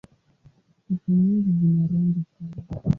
Spishi nyingi zina rangi kali.